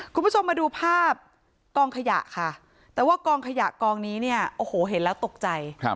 คุณผู้ชมมาดูภาพกองขยะค่ะแต่ว่ากองขยะกองนี้เนี่ยโอ้โหเห็นแล้วตกใจ